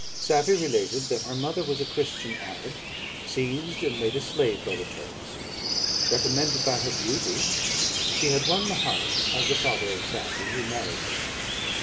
"Safie related, that her mother was a Christian Arab, seized and made a slave by the Turks; recommended by her beauty, she had won the heart of the father of Safie, who married her.